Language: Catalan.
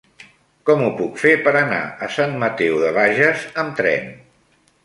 Com ho puc fer per anar a Sant Mateu de Bages amb tren?